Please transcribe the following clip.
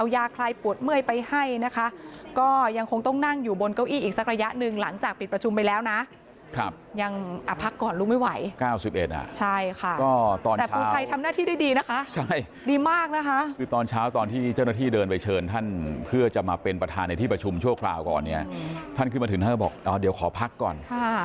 แต่ปู่ชัยทำหน้าที่ได้ดีนะคะดีมากนะคะคือตอนเช้าตอนที่เจ้าหน้าที่เดินไปเชิญท่านเพื่อจะมาเป็นประธานในที่ประชุมช่วงคราวก่อนเนี่ยท่านขึ้นมาถึงท่านก็บอกเดี๋ยวขอพักก่อน